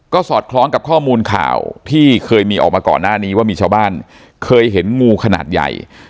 ก็สอดคล้องกับข้อมูลข่าวที่เคยมีออกมาก่อนหน้านี้ว่ามีชาวบ้านเคยเห็นงูขนาดใหญ่